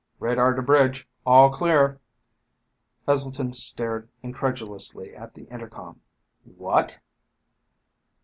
"Radar to bridge. All clear." Heselton stared incredulously at the intercom. "What?"